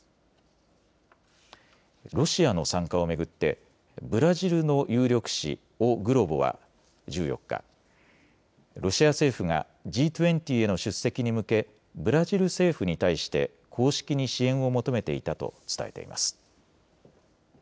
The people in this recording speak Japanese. ロシアの参加を巡ってブラジルの有力紙、オ・グロボは１４日、ロシア政府がＧ２０への出席に向けブラジル政府に対して公式に支援を求めていたと伝えています。